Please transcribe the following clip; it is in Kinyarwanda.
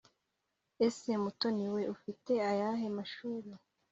ese mutoniwe wowe ufite ayahe mashuri